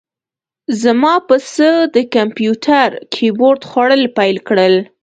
زما پسه د کمپیوتر کیبورډ خوړل پیل کړل.